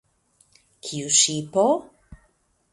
Kiu ŝipo?